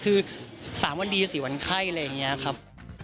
คือ๓วันดี๔วันไข้อะไรอย่างนี้ครับ